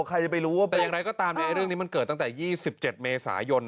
ใครจะไปรู้ว่าแต่อย่างไรก็ตามเรื่องนี้มันเกิดตั้งแต่๒๗เมษายน